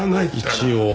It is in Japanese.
一応。